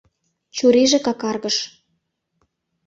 Чурийже какаргыш.